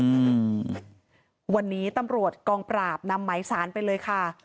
อืมวันนี้ตำรวจกองปราบนำไหมสารไปเลยค่ะ